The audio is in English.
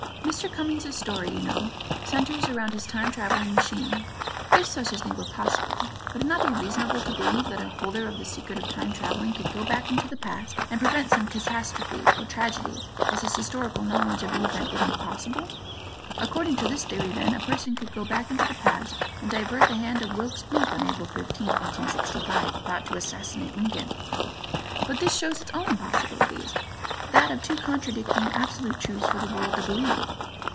Mr. Cummings' story, you know, centers around his time traveling machine. If such a thing were possible, would it not be reasonable to believe that a holder of the secret of time traveling could go back into the past and prevent some catastrophe or tragedy as his historical knowledge of the event would make possible? According to this theory then, a person could go back into the past and divert the hand of Wilkes Booth on April 15, 1865, about to assassinate Lincoln. But this shows its own impossibilities: that of two contradicting absolute truths for the world to believe.